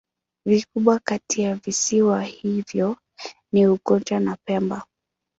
Vikubwa kati ya visiwa hivyo ni Unguja na Pemba.